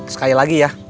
sekali lagi ya